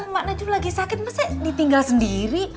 mak najwa lagi sakit mesti ditinggal sendiri